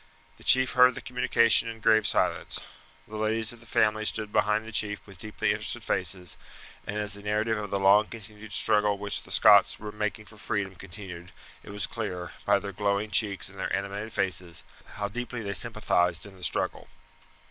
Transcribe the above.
The chief heard the communication in grave silence. The ladies of the family stood behind the chief with deeply interested faces; and as the narrative of the long continued struggle which the Scots were making for freedom continued it was clear, by their glowing cheeks and their animated faces, how deeply they sympathized in the struggle.